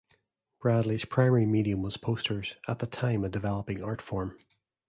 Bradley's primary medium was posters, at the time a developing art form.